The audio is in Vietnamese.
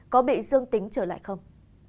có bị dương tính trở lại không